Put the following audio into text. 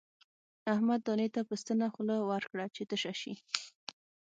احمد دانې ته په ستنه خوله ورکړه چې تشه شي.